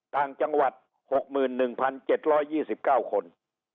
ต่างจังหวัด๖๑๗๒๙คน